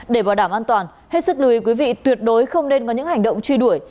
để bảo đảm an toàn hết sức lưu ý quý vị tuyệt đối không nên có những hành động truy đuổi